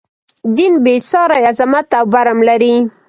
دین بې ساری عظمت او برم لري.